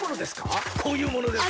こういうものです！